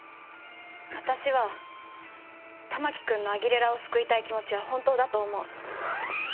私は玉置くんのアギレラを救いたい気持ちは本当だと思う。